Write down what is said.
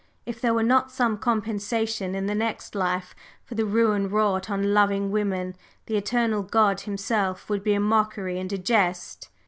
If there were not some compensation in the next life for the ruin wrought on loving women, the Eternal God himself would be a mockery and a jest."